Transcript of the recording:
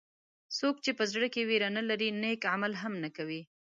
څوک چې په زړه کې وېره نه لري نیک عمل هم نه کوي.